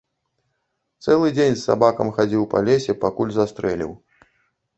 Цэлы дзень з сабакам хадзіў па лесе, пакуль застрэліў.